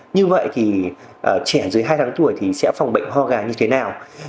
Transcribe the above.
như vậy thì trẻ dưới hai tháng tuổi thì sẽ phòng bệnh ho gà như thế nào